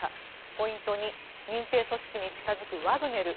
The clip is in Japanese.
ポイント２、民兵組織に近づくワグネル。